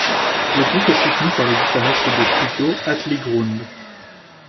Le groupe est soutenu par le guitariste de studio Atli Grund.